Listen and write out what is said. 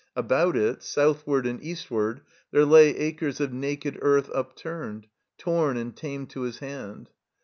About it, southward and eastward, there lay acres of naked earth upturned, torn and tamed to his hand.